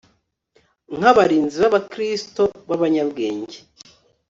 nk'abarinzi b'abakristo b'abanyabwenge